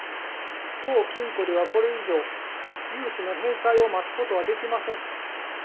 当金庫ではこれ以上融資の返済を待つことはできません。